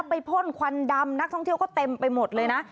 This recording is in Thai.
พ่นควันดำนักท่องเที่ยวก็เต็มไปหมดเลยนะ